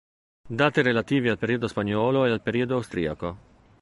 Dati relativi al periodo spagnolo e al periodo austriaco.